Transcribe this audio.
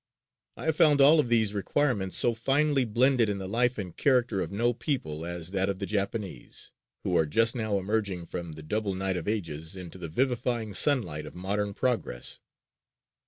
I have found all of these requirements so finely blended in the life and character of no people as that of the Japanese, who are just now emerging from "the double night of ages" into the vivifying sunlight of modern progress.